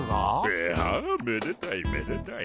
いやめでたいめでたい。